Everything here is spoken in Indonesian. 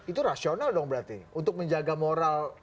itu rasional dong berarti untuk menjaga moral